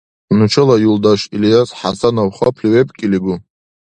Нушала юлдаш Ильяс ХӀясанов хапли вебкӀилигу!